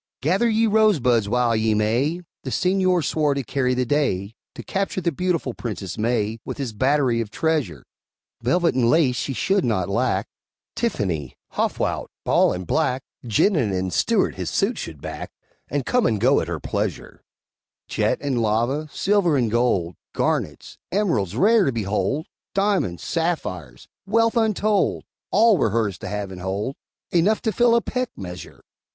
"Gather ye rosebuds while ye may!" The Señor swore to carry the day, To capture the beautiful Princess May, With his battery of treasure; Velvet and lace she should not lack; Tiffany, Haughwout, Ball & Black, Genin and Stewart his suit should back, And come and go at her pleasure; Jet and lava silver and gold Garnets emeralds rare to behold Diamonds sapphires wealth untold All were hers, to have and to hold: Enough to fill a peck measure!